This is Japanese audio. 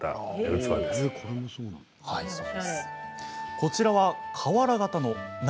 こちらは、瓦形の鍋。